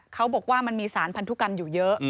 เขาบอกว่ามันมีสารพันธุกรรมอยู่เยอะ